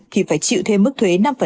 thì phải chịu thêm mức thuế năm